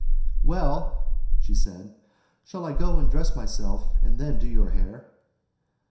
"Well," she said, "shall I go and dress myself and then do your hair?"